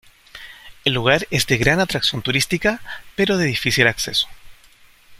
El lugar es de gran atracción turística, pero de difícil acceso.